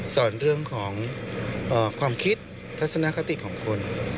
สอนเรื่องของความคิดทัศนคติของคน